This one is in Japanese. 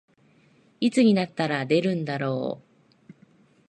いつになったら出るんだろう